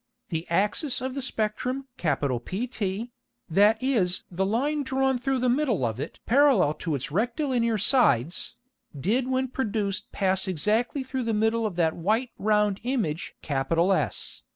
The Axis of the Spectrum PT, that is the Line drawn through the middle of it parallel to its rectilinear Sides, did when produced pass exactly through the middle of that white round Image S.